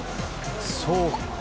そうか。